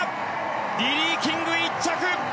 リリー・キング、１着！